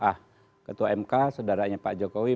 ah ketua mk saudaranya pak jokowi